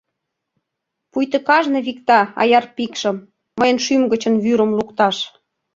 Пуйто кажне викта аяр пикшым Мыйын шӱм гычын вӱрым лукташ.